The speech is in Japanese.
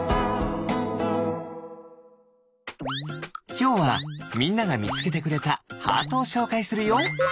きょうはみんながみつけてくれたハートをしょうかいするよ。